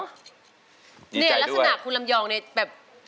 เนี่ยลักษณะคุณลำยองเนี่ยแบบ